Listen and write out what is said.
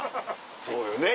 そうよね